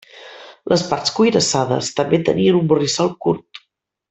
Les parts cuirassades també tenien un borrissol curt.